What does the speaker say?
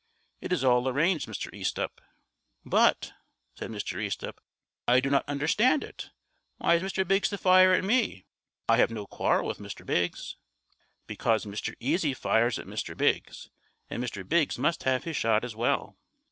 It is all arranged, Mr. Easthupp." "But," said Mr. Easthupp, "I do not understand it. Why is Mr. Biggs to fire at me? I have no quarrel with Mr. Biggs." "Because Mr. Easy fires at Mr. Biggs, and Mr. Biggs must have his shot as well."